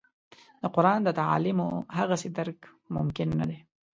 د قران د تعالیمو هغسې درک ممکن نه دی.